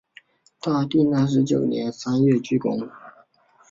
大定二十九年三月竣工。